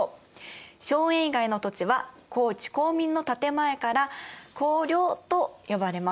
荘園以外の土地は公地公民の建て前から公領と呼ばれます。